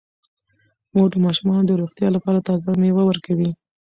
مور د ماشومانو د روغتیا لپاره تازه میوه ورکوي.